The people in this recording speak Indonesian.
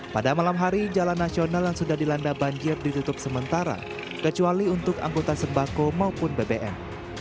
pada malam hari jalan nasional yang sudah dilanda banjir ditutup sementara kecuali untuk angkutan sembako maupun bbm